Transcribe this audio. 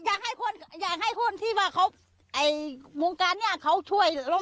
อยากให้คนอยากให้คนที่ว่าเขาไอ้วงการนี้เขาช่วย